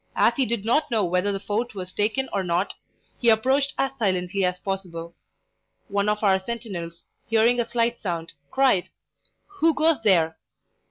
As he did not know whether the fort was taken or not, he approached as silently as possible. One of our sentinels, hearing a slight sound, cried: 'Who goes there?'